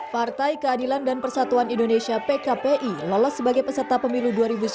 partai keadilan dan persatuan indonesia pkpi lolos sebagai peserta pemilu dua ribu sembilan belas